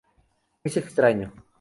Es extraño.